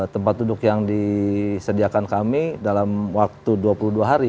tempat duduk yang disediakan kami dalam waktu dua puluh dua hari